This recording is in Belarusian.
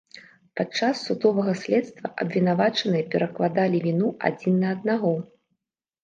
Падчас судовага следства абвінавачаныя перакладалі віну адзін на аднаго.